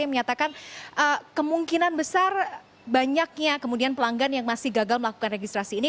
yang menyatakan kemungkinan besar banyaknya kemudian pelanggan yang masih gagal melakukan registrasi ini